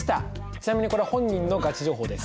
ちなみにこれ本人のガチ情報です。